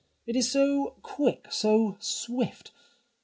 It is so quick, so swift.